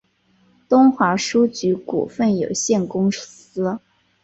东华书局股份有限公司